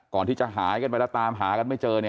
ก่อนที่จะหายกันไปแล้วตามหากันไม่เจอ